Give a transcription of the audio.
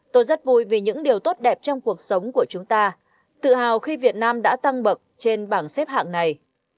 tôi rất vui vì những điều tốt đẹp trong cuộc sống của chúng ta tự hào khi việt nam đã tăng bậc trên bảng xếp hạng này